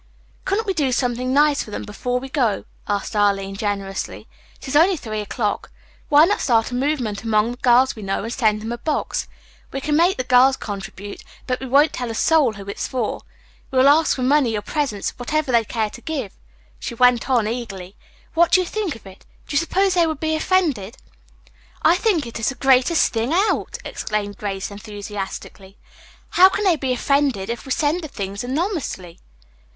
"Couldn't we do something nice for them before we go?" asked Arline generously. "It is only three o 'clock. Why not start a movement among the girls we know and send them a box? We can make the girls contribute, but we won't tell a soul who it's for. We will ask for money or presents whatever they care to give," she went on eagerly. "What do you think of it? Do you suppose they would be offended?" "I think it is the greatest thing out!" exclaimed Grace enthusiastically. "How can they be offended if we send the things anonymously?"